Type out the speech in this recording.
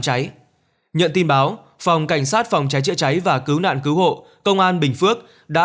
cháy nhận tin báo phòng cảnh sát phòng cháy chữa cháy và cứu nạn cứu hộ công an bình phước đã